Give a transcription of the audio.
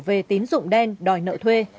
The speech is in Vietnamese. về tín dụng đen đòi nợ thuê